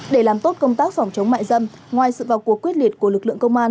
để làm tốt công tác phòng chống mại dâm ngoài sự vào cuộc quyết liệt của lực lượng công an